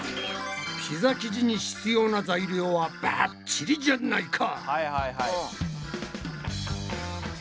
ピザ生地に必要な材料はバッチリじゃないか！